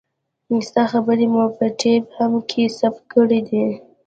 ستا خبرې مو په ټېپ هم کښې ثبت کړې دي.